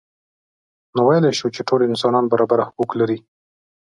نو ویلای شو چې ټول انسانان برابر حقوق لري.